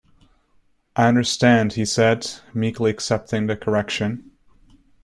"I understand," he said, meekly accepting the correction.